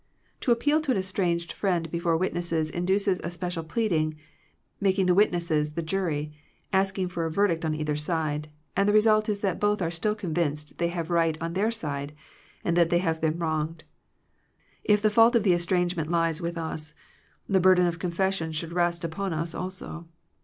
To ap peal to an estranged friend before wit nesses induces to special pleading, making the witnesses the jury, asking for a ver dict on either side; and the result is that both are still convinced they have right on their side, and that they have been wronged. If the fault of the estrangement lies with us, the burden of confession should rest upon us also.